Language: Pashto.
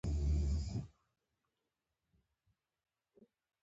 داوطلبانو یو کلب افتتاح کړ.